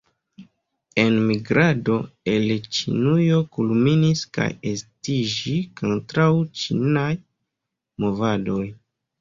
Enmigrado el Ĉinujo kulminis kaj estiĝis kontraŭ-ĉinaj movadoj.